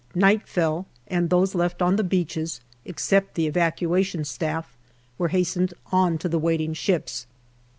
Night fell, and those left on the beaches, except the Evacuation Staff, were hastened on to the waiting ships.